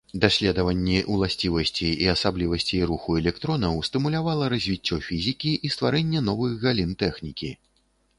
Даследаванні ўласцівасцей і асаблівасцей руху электронаў стымулявала развіццё фізікі і стварэнне новых галін тэхнікі.